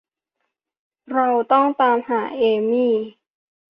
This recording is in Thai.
เราต้องตามหาเอมี่